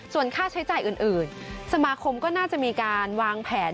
ส่วนค่าใช้จ่ายอื่นสมาคมก็น่าจะมีการวางแผน